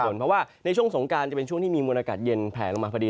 เพราะว่าในช่วงสงการจะเป็นช่วงที่มีมวลอากาศเย็นแผลลงมาพอดี